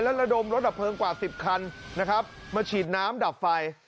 และระดมรถดับเพลิงกว่า๑๐คันนะครับมาฉีดน้ำดับไฟ